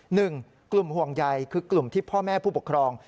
หนึ่งกลุ่มห่วงใยคือกลุ่มที่พ่อแม่ผู้ปกครอง